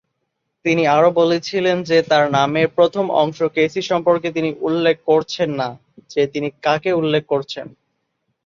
তিনি আরও বলেছিলেন যে তার নামের প্রথম অংশ "কেসি" সম্পর্কে তিনি উল্লেখ করছেন না যে তিনি কাকে উল্লেখ করছেন।